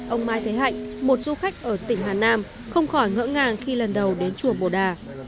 ông mai thế hạnh một du khách ở tỉnh hà nam không khỏi ngỡ ngàng khi lần đầu đến chùa bồ đà